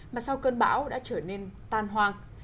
mà sau cơn bão đã trở nên tan hoang